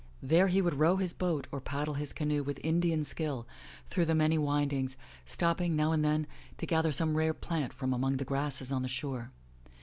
There he would row his boat or paddle his canoe with Indian skill through the many windings, stopping now and then to gather some rare plant from among the grasses on the shore.